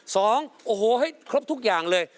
สองโอ้โหให้ครบทุกอย่างเลย